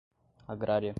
agrária